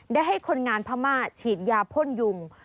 ได้ให้คนงานพม่าฉีดยาพ่นยุง